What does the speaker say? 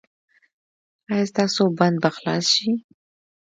ایا ستاسو بند به خلاص شي؟